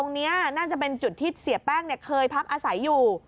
น่าจะเป็นจุดที่เสียแป้งเคยพักอาศัยอยู่